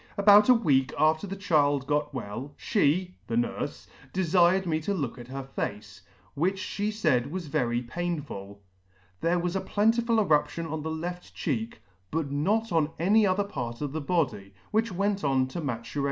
About a week after the child got well, fhe (the nurfe) delired me to look at her face, which fhe faid was very painful. There was a plentiful eruption on the left cheek, but not on any other part of the body , which went on to maturation.